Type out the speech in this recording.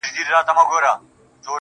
• هغه چي هيڅوک نه لري په دې وطن کي_